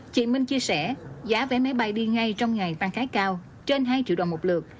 chị minh chia sẻ giá vé máy bay đi ngay trong ngày tăng khá cao trên hai triệu đồng một lượt